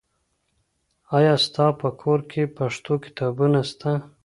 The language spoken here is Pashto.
آیا ستا په کور کې پښتو کتابونه سته؟